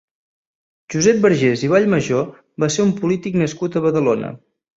Josep Vergés i Vallmajor va ser un polític nascut a Badalona.